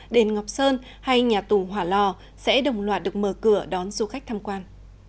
đền ngọc sơn hay nhà tù hỏa lò sẽ đồng loạt được mở cửa đón du khách tham quan